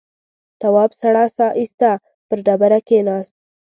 تواب سړه سا ایسته پر ډبره کېناست.